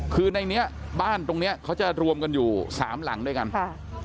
คือในนี้บ้านตรงเนี้ยเขาจะรวมกันอยู่สามหลังด้วยกันค่ะ